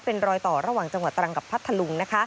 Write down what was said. เป็นรอยต่อระหว่างจังหวัดตรังกับพัทธลุง